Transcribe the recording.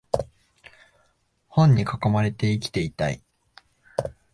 本に囲まれて生きていたい